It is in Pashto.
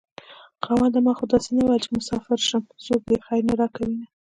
خاونده ما خو داسې نه وېل چې مساپر شم څوک دې خير نه راکوينه